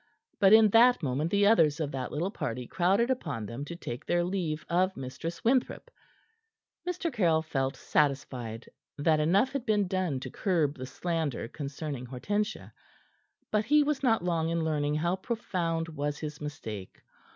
But in that moment the others of that little party crowded upon them to take their leave of Mistress Winthrop. Mr. Caryll felt satisfied that enough had been done to curb the slander concerning Hortensia. But he was not long in learning how profound was his mistake.